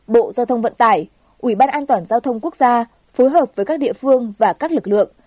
bộ giao thông vận tải ủy ban an toàn giao thông quốc gia phối hợp với các địa phương và các lực lượng